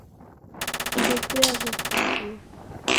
Nguku yaw'epotua.